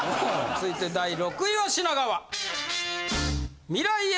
続いて第６位は品川！